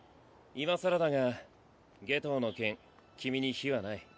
今更だが夏油の件君に非はない。